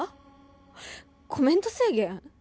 コメント制限？